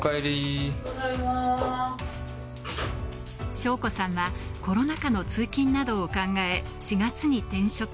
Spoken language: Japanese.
省子さんはコロナ禍の通勤などを考え、４月に転職。